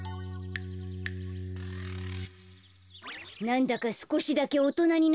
なんだかすこしだけおとなになったきがするよ。